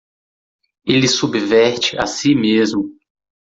Ele subverte a si mesmo.